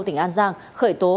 tỉnh an giang khởi tố